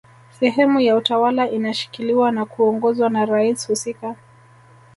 sehemu ya utawala inashikiliwa na kuongozwa na rais husika